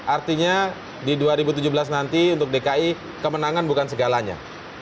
artinya di dua ribu tujuh belas nanti untuk dki kemenangan bukan segalanya